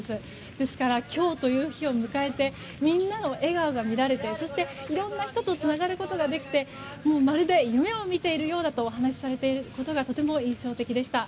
ですから、今日という日を迎えてみんなの笑顔が見られてそして、いろんな人とつながることができてまるで夢を見ているようだとお話しされていることがとても印象的でした。